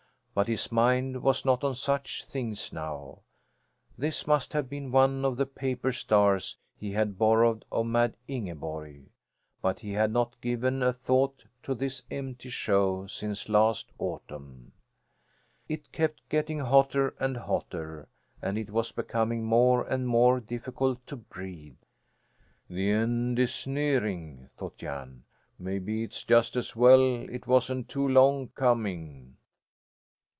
But his mind was not on such things now. This must have been one of the paper stars he had borrowed of Mad Ingeborg. But he had not given a thought to this empty show since last autumn. It kept getting hotter and hotter, and it was becoming more and more difficult to breathe. "The end is nearing," thought Jan. "Maybe it's just as well it wasn't too long coming."